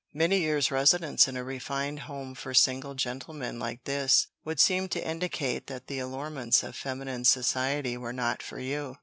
"Many years' residence in a refined home for single gentlemen like this would seem to indicate that the allurements of feminine society were not for you."